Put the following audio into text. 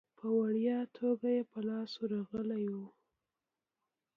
په وړیا توګه یې په لاس ورغلی وو.